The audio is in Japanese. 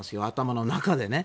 頭の中で。